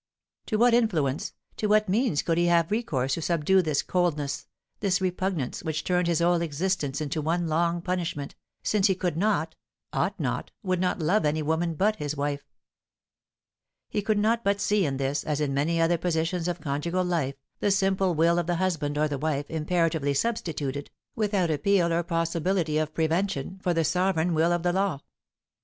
To what influence, to what means could he have recourse to subdue this coldness, this repugnance, which turned his whole existence into one long punishment, since he could not ought not would not love any woman but his wife? He could not but see in this, as in many other positions of conjugal life, the simple will of the husband or the wife imperatively substituted, without appeal or possibility of prevention, for the sovereign will of the law.